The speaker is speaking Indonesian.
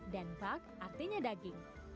dan bak artinya daging